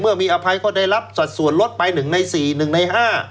เมื่อมีอภัยเขาได้รับสัดส่วนลดไป๑ใน๔๑ใน๕